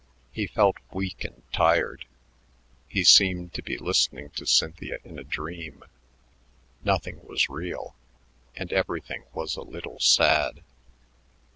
He felt weak and tired. He seemed to be listening to Cynthia in a dream. Nothing was real and everything was a little sad.